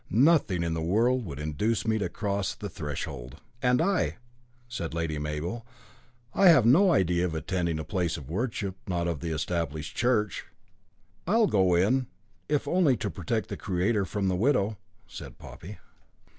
"Nothing in the world would induce me to cross the threshold." "And I," said Lady Mabel, "I have no idea of attending a place of worship not of the Established Church." "I'll go in if only to protect Creator from the widow," said Poppy.